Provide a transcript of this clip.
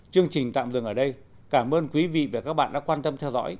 chương trình tạm dừng ở đây cảm ơn quý vị và các bạn đã quan tâm theo dõi